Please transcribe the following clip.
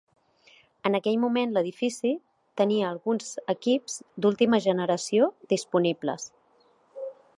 En aquell moment, l'edifici tenia alguns equips d'última generació disponibles.